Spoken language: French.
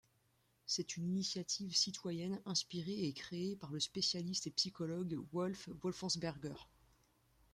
C'est une initiative citoyenne inspirée et créée par le spécialiste et psychologue Wolf Wolfensberger.